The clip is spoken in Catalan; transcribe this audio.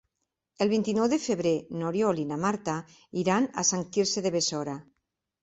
El vint-i-nou de febrer n'Oriol i na Marta iran a Sant Quirze de Besora.